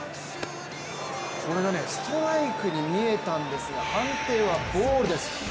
これがストライクに見えたんですが判定はボールです。